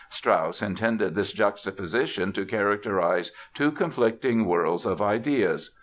Strauss intended this juxtaposition to characterize "two conflicting worlds of ideas".